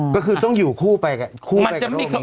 ก็คือต้องอยู่คู่ไปคู่ไปกับลูกนี้